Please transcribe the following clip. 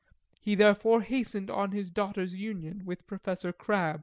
He therefore hastened on his daughter's union with Professor Crab.